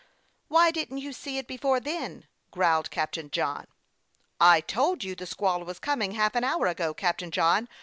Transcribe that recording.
" Why didn't you see it before then ?" growled Captain John. " I told you the squall was coming half an hour ago, Captain John.